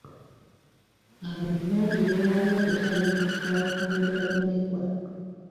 Abantu bangi beewaayo okukyalira ekifo ewakuumirwa bamulekwa.